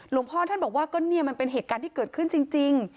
หลวงพ่อท่านบอกว่าก็เนี่ยมันเป็นเหตุการณ์ที่เกิดขึ้นจริง